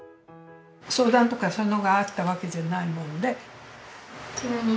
相談とかそういうのがあったわけじゃないもんで。